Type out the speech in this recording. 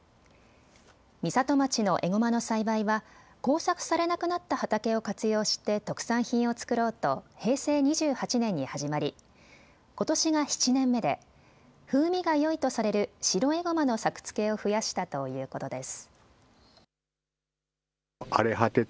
美里町のエゴマの栽培は耕作されなくなった畑を活用して特産品を作ろうと平成２８年に始まりことしが７年目で風味がよいとされる白エゴマの作付けを増やしたということです。